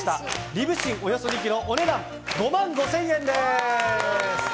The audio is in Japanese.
リブ芯、およそ２ｋｇお値段、５万５０００円です。